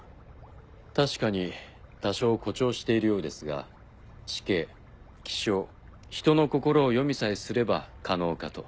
確かに多少誇張しているようですが地形気象人の心を読みさえすれば可能かと。